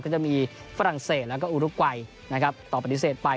ก็จะมีฝรั่งเศสแล้วก็อุรุกวัยนะครับต่อปฏิเสธไป